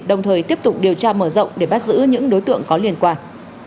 đồng thời tiếp tục điều tra mở rộng để bắt giữ những đối tượng có liên quan